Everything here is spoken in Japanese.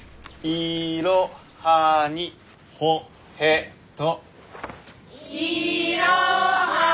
「いろはにほへと」。